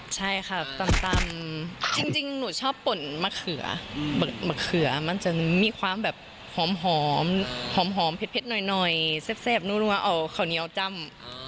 ใช่ค่ะตำจริงหนูชอบป่นมะเขือมะเขือมันจะมีความแบบหอมหอมเผ็ดหน่อยแซ่บนัวเอาข้าวเหนียวจ้ำ